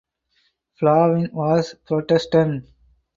Flavin was Protestant.